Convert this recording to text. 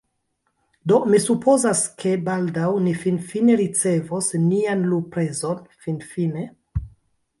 Do mi supozas, ke baldaŭ ni finfine ricevos nian luprezon. Finfine.